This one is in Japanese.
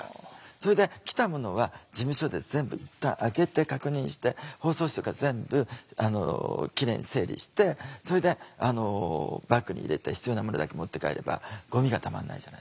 それで来たものは事務所で全部いったん開けて確認して包装紙とか全部キレイに整理してそれでバッグに入れて必要なものだけ持って帰ればゴミがたまんないじゃないですか。